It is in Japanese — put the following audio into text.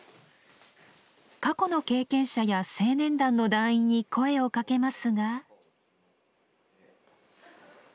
過去の経験者や青年団の団員に声をかけますが。